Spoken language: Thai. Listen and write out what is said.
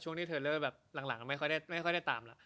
ช่วงนี้เทลเลอร์แบบหลังไม่ค่อยได้ตามละ